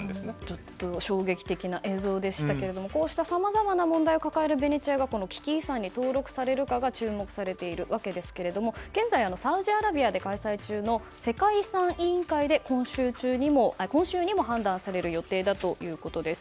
ちょっと衝撃的な映像でしたけれどもこうしたさまざまな問題を抱えるベネチアが危機遺産に登録されるかが注目されているわけですけれども現在、サウジアラビアで開催中の世界遺産委員会で今週にも判断される予定だということです。